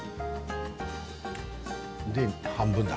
で、半分だ。